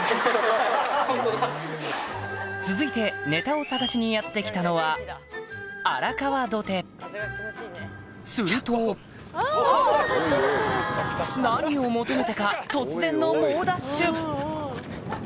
続いてネタを探しにやって来たのはすると何を求めてか突然の猛ダッシュ！